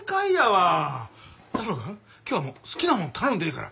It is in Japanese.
今日はもう好きなもん頼んでええから。